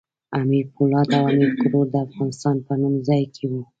امیر پولاد او امیر کروړ د افغانستان په کوم ځای کې وو؟